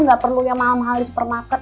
nggak perlu yang mahal mahal di supermarket